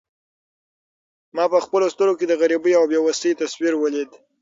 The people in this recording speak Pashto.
ما په خپلو سترګو کې د غریبۍ او بې وسۍ تصویر ولید.